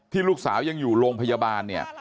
ที่ลูกสาวยังอยู่โรงพยาบาล